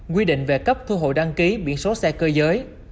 quy định về cấp thu hội đăng ký biển số xe cơ giới